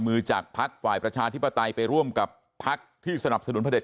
จากภักดิ์ฝ่ายประชาธิปไตยไปร่วมกับพักที่สนับสนุนพระเด็